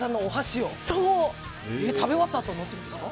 食べ終わったあとに持って帰るんですか？